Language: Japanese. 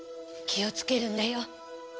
気をつけるんだよ。